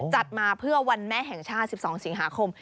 จัดมาเพื่อวันแม่แห่งชาติ๑๒สิงหาคม